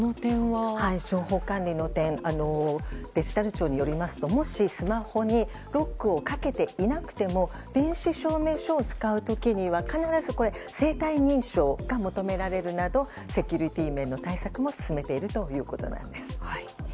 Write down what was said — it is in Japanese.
情報管理の点デジタル庁によりますともしスマホにロックをかけていなくても電子証明書を使う時には必ず生体認証が求められるなどセキュリティー面の対策も進めているということなんです。